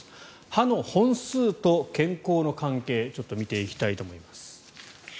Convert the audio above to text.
歯の本数と健康の関係ちょっと見ていきたいと思います。